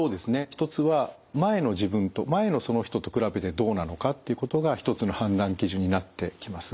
一つは前の自分と前のその人と比べてどうなのかっていうことが一つの判断基準になってきます。